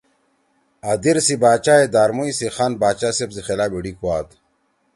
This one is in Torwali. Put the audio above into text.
آ دیر سی باچا ئی داروموئی سی خان باچا صیب سی خلاف ایڈی کوات۔